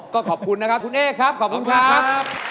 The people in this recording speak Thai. ก็ขอบคุณนะครับคุณเอ๊ครับขอบคุณครับ